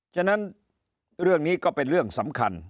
ฉะนั้นเรื่องนี้ก็เป็นเรื่องสำคัญ